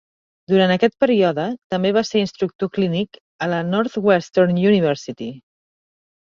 Durant aquest període, també va ser instructor clínic a la Northwestern University.